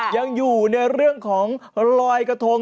ยังอยู่ในเรื่องของลอยกระทง